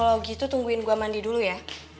kalau gitu tungguin gue mandi dulu ya